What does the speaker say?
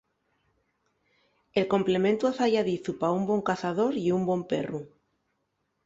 El complementu afayadizu pa un bon cazador ye un bon perru.